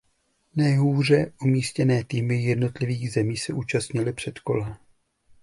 Nejhůře umístěné týmy jednotlivých zemí se účastnily předkola.